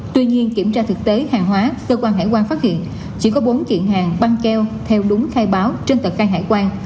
tuy nhiên kiểm tra thực tế hàng hóa cơ quan hải quan phát hiện chỉ có bốn kiện hàng băng keo theo đúng khai báo trên tờ khai hải quan